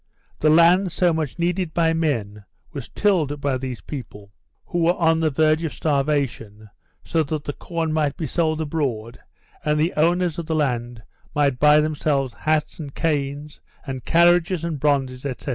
The land so much needed by men was tilled by these people, who were on the verge of starvation, so that the corn might be sold abroad and the owners of the land might buy themselves hats and canes, and carriages and bronzes, etc.